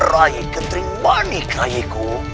rai ketrimani kerajiku